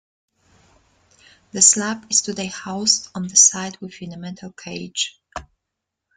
The slab is today housed on the site within a metal cage.